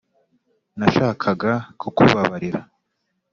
nashakaga kukubabarira